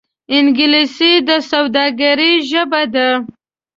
انګلیسي د سوداګرۍ ژبه ده